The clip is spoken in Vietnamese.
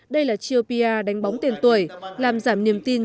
đây là chiêu pr đánh bóng tiên tuổi làm giảm niềm tin